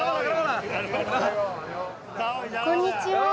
こんにちは。